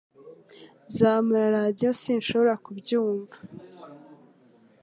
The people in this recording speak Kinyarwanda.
Zamura radio Sinshobora kubyumva